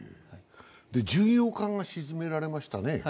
巡洋艦が沈められましたね。